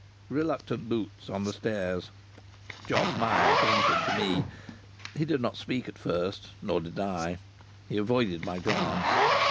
Reluctant boots on the stairs! Jos Myatt entered to me. He did not speak at first; nor did I. He avoided my glance.